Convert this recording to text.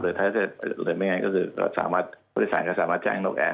หรือถ้าจะเลื่อนไม่ไงก็คือผู้โดยสารก็สามารถแจ้งนกแอร์